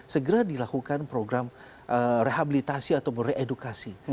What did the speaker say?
segera dilakukan program rehabilitasi atau pun reedukasi